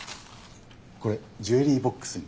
これジュエリーボックスに。